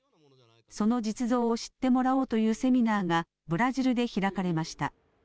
その実像を知ってもらおうというセミナーがブラジルで開かれました。